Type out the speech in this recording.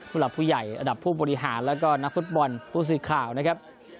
ผู้หลับผู้ใหญ่อัดับผู้บริหารและก็นักฟุตบอลภูมิสิทธิ์ข่าวนะครับ